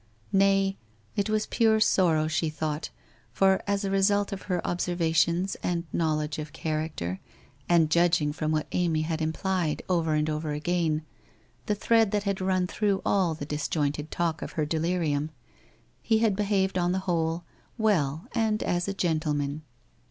Nay, it was pure sor row, she thought, for as a result of her observations and knowledge of character, and judging from what Amy had implied over and over again, the thread that had run through all the disjointed talk of her delirium, he had be haved on the whole, well and as a gentleman.